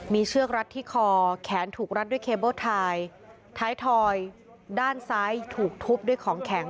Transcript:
มีเชือกรัดที่คอแขนถูกรัดด้วยเคเบิ้ลทายท้ายถอยด้านซ้ายถูกทุบด้วยของแข็ง